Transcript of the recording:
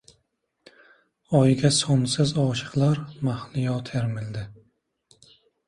Oyga sonsiz oshiqlar mahliyo termildi.